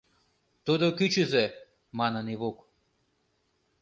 — Тудо кӱчызӧ, — манын Ивук.